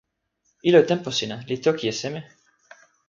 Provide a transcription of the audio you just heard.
ilo tenpo sina li toki e seme?